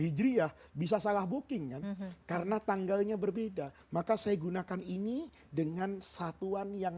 hijriah bisa salah booking kan karena tanggalnya berbeda maka saya gunakan ini dengan satuan yang